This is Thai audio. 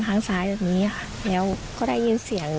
ทางซ้ายแบบนี้ค่ะแล้วก็ได้ยินเสียง